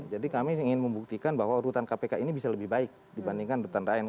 jadi kami ingin membuktikan bahwa rutan kpk ini bisa lebih baik dibandingkan rutan lain